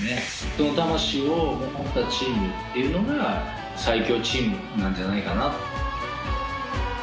その魂を持ったチームっていうのが最強チームなんじゃないかな。